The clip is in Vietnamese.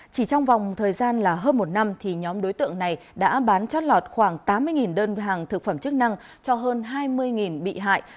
chỉ trong vòng thời gian hơn một năm thì nhóm đối tượng này đã bán chót lọt khoảng tám mươi đơn hàng thực phẩm chức năng cho hơn hai mươi bị hại